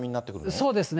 そうですね。